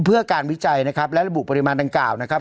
เพื่อการวิจัยนะครับและระบุปริมาณดังกล่าวนะครับ